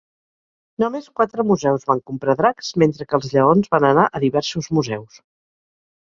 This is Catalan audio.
Només quatre museus van comprar dracs, mentre que els lleons van anar a diversos museus.